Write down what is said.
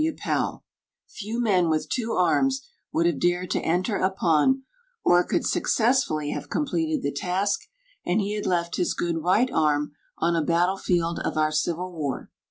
W. Powell. Few men with two arms would have dared to enter upon, or could successfully have completed the task, and he had left his good right arm on a battle field of our civil war.